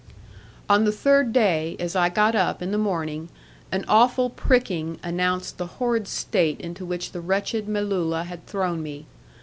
On the third day, as I got up in the morning, an awful pricking announced the horrid state into which the wretched Melulla had thrown me.